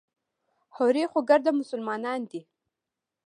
هورې خو ګرده مسلمانان دي.